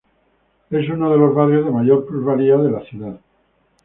Es uno de los barrios de mayor plusvalía de la ciudad.